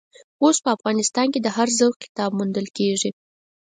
اوس په افغانستان کې د هر ذوق کتاب موندل کېږي.